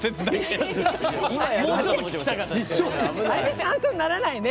もうちょっと聴きたかったですね。